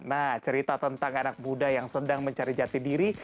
nah cerita tentang anak muda yang sedang mencari jati diri